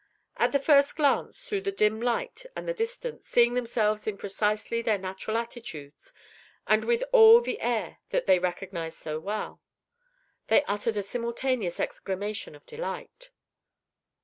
At the first glance, through the dim light and the distance, seeing themselves in precisely their natural attitudes, and with all the air that they recognized so well, they uttered a simultaneous exclamation of delight.